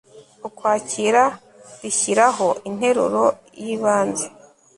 Ukwakira rishyiraho interuro y ibanze